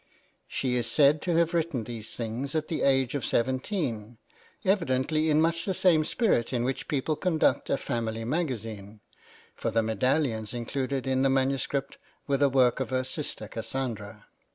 She is said to have written these things at the age of seventeen, evidently in much the same spirit in which people conduct a family magazine ; for the medallions included in the manuscript were the work of her sister Cassandra.